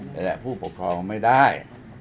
นี่แหละผู้ปกครองไม่ได้